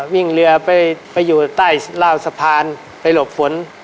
วิ่งเรือไปอยู่ใต้ราวสะพานไปหลบฝน